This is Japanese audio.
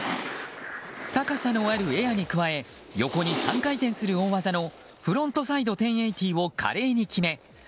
高さのあるエアに加え横に３回転する大技のフロントサイド１０８０を華麗に決め